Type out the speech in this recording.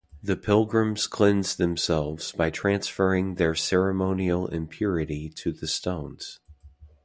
The pilgrims cleanse themselves by transferring their ceremonial impurity to the stones.